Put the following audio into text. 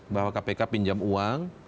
bahwa kpk pinjam uang